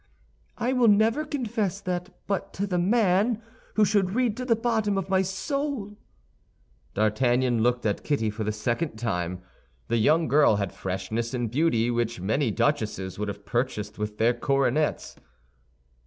"I will never confess that but to the man—who should read to the bottom of my soul!" D'Artagnan looked at Kitty for the second time. The young girl had freshness and beauty which many duchesses would have purchased with their coronets.